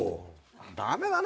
ダメだね